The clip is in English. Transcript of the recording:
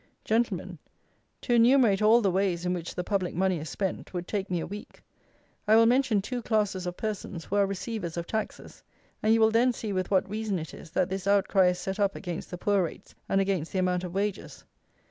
Gentlemen, to enumerate all the ways, in which the public money is spent, would take me a week. I will mention two classes of persons who are receivers of taxes: and you will then see with what reason it is, that this outcry is set up against the poor rates and against the amount of wages.